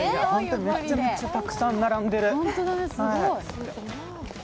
めっちゃめっちゃたくさん並んでる。